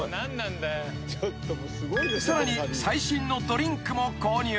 ［さらに最新のドリンクも購入］